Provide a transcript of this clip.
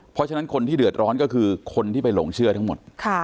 เพราะฉะนั้นคนที่เดือดร้อนก็คือคนที่ไปหลงเชื่อทั้งหมด